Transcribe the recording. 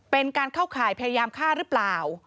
เป็นการเข้าข่ายพยายามฆ่าหรือเปล่า